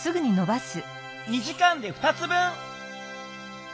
２時間で２つ分！